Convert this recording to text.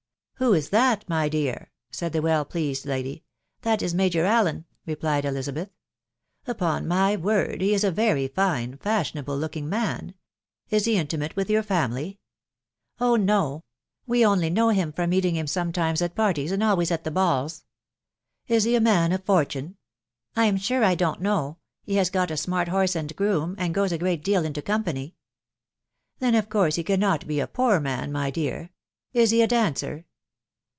" Who is that, my dear ?" said the well pleased lady. " That is Major Allen," replied BOsabethv ""Upon tny wordi he is a very fine, fashienable iooking mm. Is he intimate wfth your family? " u Oh no! ... We only know him from meeting him some* times at parties, and always at the balls." Is he a man of fortune?'* — ""'I aw sure I don't know. He has got a smart horse and greon»> and gees a great deal into company." "Then of course he cannot be a' poor maw, my dear; Is he •a dancer?